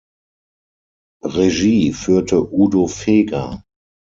Regie führte Udo Feger.